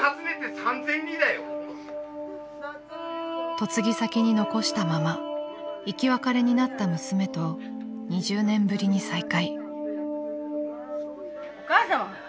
［嫁ぎ先に残したまま生き別れになった娘と２０年ぶりに再会］